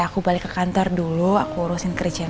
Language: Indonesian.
aku balik ke kantor dulu aku urusin kerja